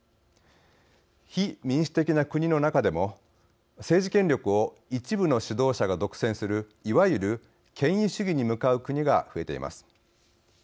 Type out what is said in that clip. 非民主的な国の中でも政治権力を一部の指導者が独占する、いわゆる権威主義に向かう国が増えています。